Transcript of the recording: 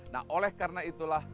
nah oleh karena itulah